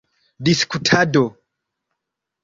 diskutado